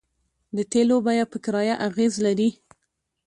د تیلو بیه په کرایه اغیز لري